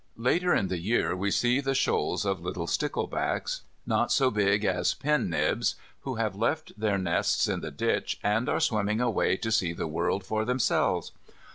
Later in the year we see the shoals of little sticklebacks, not so big as pen nibs, who have left their nests in the ditch, and are swimming away to see the world for themselves.